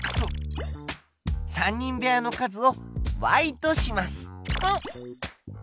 ３人部屋の数をとします。